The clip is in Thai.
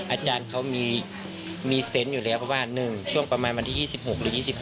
อาจารย์เขามีเซนต์อยู่แล้วเพราะว่า๑ช่วงประมาณวันที่๒๖หรือ๒๖